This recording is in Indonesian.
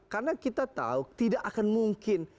karena kita tahu tidak akan mungkin